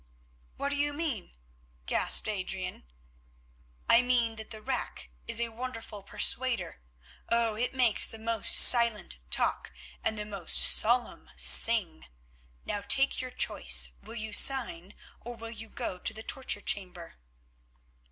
"What do you mean?" gasped Adrian. "I mean that the rack is a wonderful persuader. Oh! it makes the most silent talk and the most solemn sing. Now take your choice. Will you sign or will you go to the torture chamber?"